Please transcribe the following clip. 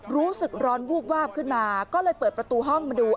รู้สึกร้อนวูบวาบขึ้นมาก็เลยเปิดประตูห้องมาดู